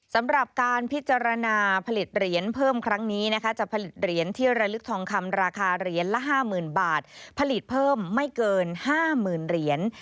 สำหรับการพิจารณาผลิตเหรียญเพิ่มครั้งนี้นะคะจะผลิตเหรียญที่ระลึกทองคำราคาเหรียญละ๕๐๐๐บาทผลิตเพิ่มไม่เกิน๕๐๐๐เหรียญ